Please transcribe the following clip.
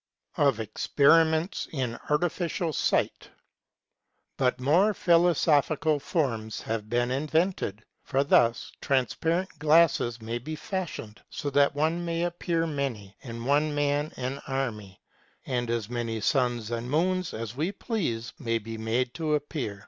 V. OF EXPERIMENTS IN ARTIFICIAL SIGHT. But more philosophical forms have been invented. For thus transparent glasses may be fashioned, so that one may appear many, and one man an army, and as many suns and moons as we please may be made to appear.